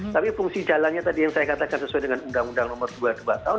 tapi fungsi jalannya tadi yang saya katakan sesuai dengan undang undang nomor dua puluh dua tahun dua ribu